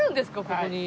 ここに。